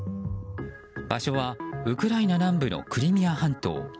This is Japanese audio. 場所は、ウクライナ南部のクリミア半島。